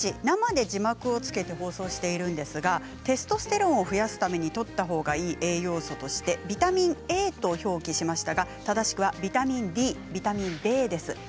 生で字幕をつけて放送しているんですがテストステロンを増やすためにとったほうがいい栄養素としてビタミンＡと表記しましたが正しくはビタミンＤです。